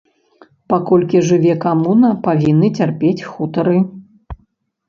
Паколькі жыве камуна, павінны цярпець хутары.